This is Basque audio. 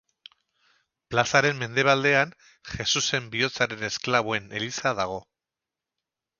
Plazaren mendebaldean Jesusen Bihotzaren Esklaboen eliza dago.